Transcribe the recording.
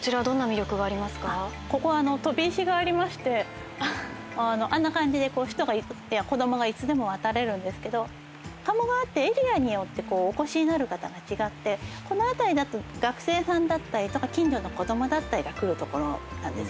ここは飛び石がありましてあんな感じで子供がいつでも渡れるんですけど鴨川ってエリアによってお越しになる方が違ってこの辺りだと学生さんだったりとか近所の子供だったりが来るところなんですよね。